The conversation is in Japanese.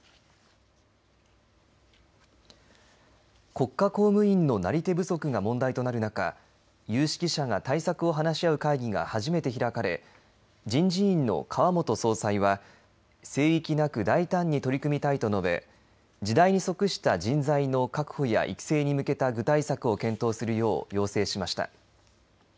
国家公務員のなり手不足が問題となる中有識者が対策を話し合う会議が初めて開かれ人事院の川本総裁は聖域なく大胆に取り組みたいと述べ時代に即した人材の確保や育成に向けた具体策を検討するよう要請しました。